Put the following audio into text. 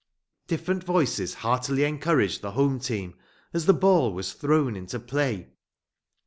Different voices heartily encouraged the home team as the ball was thrown into play.